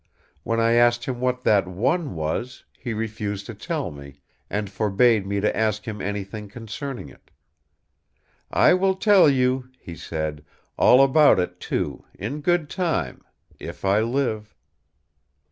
When I asked him what that one was, he refused to tell me, and forbade me to ask him anything concerning it. 'I will tell you,' he said, 'all about it, too, in good time—if I live!